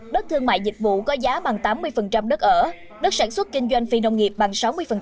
đất thương mại dịch vụ có giá bằng tám mươi đất ở đất sản xuất kinh doanh phi nông nghiệp bằng sáu mươi